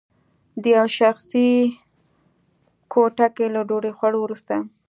په یوه شخصي کوټه کې له ډوډۍ خوړلو وروسته